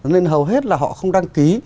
nên hầu hết là họ không đăng ký